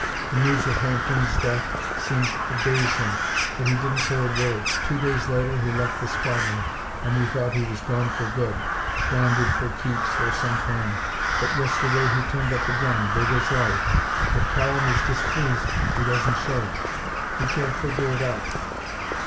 The news of Hampden's death seemed to daze him, but he didn't say a word. Two days later he left the squadron, and we thought he was gone for good grounded for keeps or sent home. But yesterday he turned up again, big as life. If Cowan is displeased, he doesn't show it. We can't figure it out."